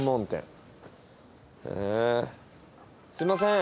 すいません。